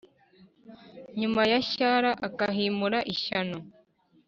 inyuma ya shyara akahimura ishyano.